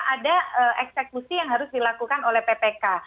ada eksekusi yang harus dilakukan oleh ppk